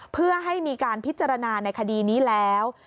เพื่อให้มีการพิจารณาในคดีนี้แล้ว